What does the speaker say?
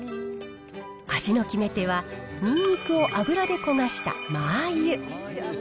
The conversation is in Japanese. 味の決め手は、ニンニクを油で焦がしたマー油。